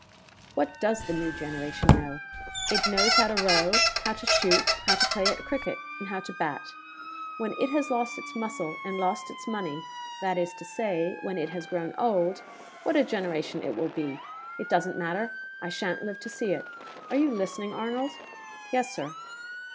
"What does the new generation know? It knows how to row, how to shoot, how to play at cricket, and how to bat. When it has lost its muscle and lost its money that is to say, when it has grown old what a generation it will be! It doesn't matter: I sha'n't live to see it. Are you listening, Arnold?" "Yes, Sir."